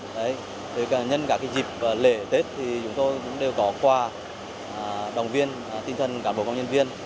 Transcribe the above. đấy để cả nhân cả cái dịp lễ tết thì chúng tôi cũng đều có quà đồng viên tinh thần cả bộ công nhân viên